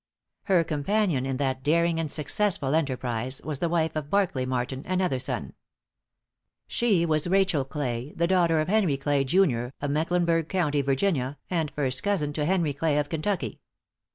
Her companion in that daring and successful enterprise was the wife of Barkly Martin, another son. She was Rachel Clay, the daughter of Henry Clay, Jun., of Mecklenburg County, Virginia, and first cousin to Henry Clay, of Kentucky.